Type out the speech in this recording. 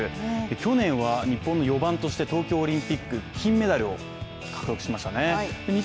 去年は日本の４番として東京オリンピック金メダルを獲得しましたね。